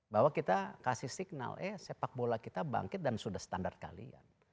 bahwa kita kasih signal eh sepak bola kita bangkit dan sudah standar kalian